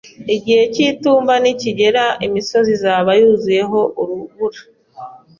Igihe cy'itumba nikigera, imisozi izaba yuzuyeho urubura.